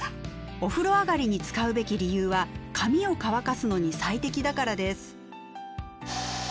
お風呂上がりに使うべき理由は髪を乾かすのに最適だからです。